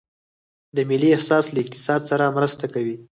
د ملي احساس له اقتصاد سره مرسته کوي؟